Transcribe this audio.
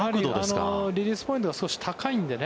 リリースポイントが少し高いのでね。